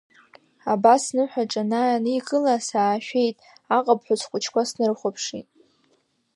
Абас сныҳәаҿа анааникыла, саашәеит, аҟыԥҳәа схәыҷқәа снарыхәаԥшит.